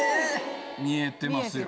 見えてますよ。